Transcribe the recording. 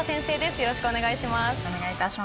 よろしくお願いします。